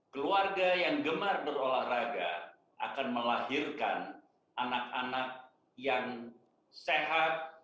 keluarga yang gemar berolahraga akan melahirkan anak anak yang sehat